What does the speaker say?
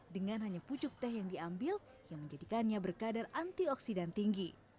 dengan hanya pucuk teh yang diambil yang menjadikannya berkadar antioksidan tinggi